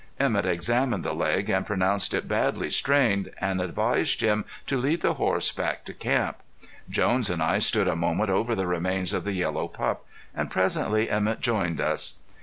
Emett examined the leg and pronounced it badly strained, and advised Jim to lead the horse back to camp. Jones and I stood a moment over the remains of the yellow pup, and presently Emett joined us.